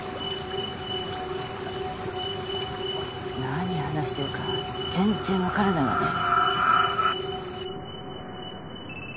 何話してるか全然わからないわね。